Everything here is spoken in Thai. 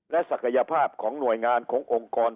และศักยภาพของหน่วยงานขององค์กร